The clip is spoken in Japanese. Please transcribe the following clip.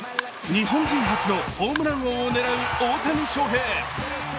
日本人初のホームラン王を狙う大谷翔平。